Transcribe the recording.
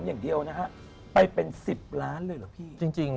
อย่างเดียวนะครับไปเป็น๑๐ล้านเลยล่ะปี่